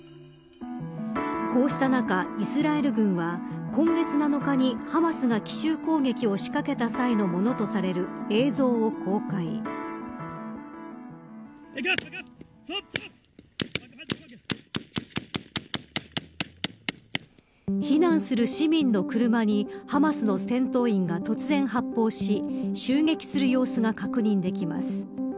こうした中、イスラエル軍は今月７日にハマスが奇襲攻撃を仕掛けた際のものとされる避難する市民の車にハマスの戦闘員が突然発砲し襲撃する様子が確認できます。